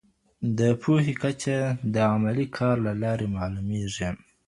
د پوهي کچه د عملي کار له لاري معلومېږي.